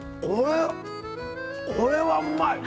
これはうまい！